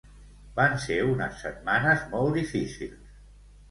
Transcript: Van ser unes setmanes molt difícils.